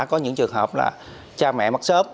có những trường hợp là cha mẹ mất sớm